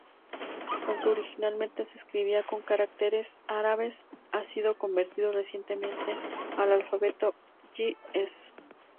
Aunque originalmente se escribía con caracteres árabes, ha sido convertido recientemente al alfabeto ge'ez.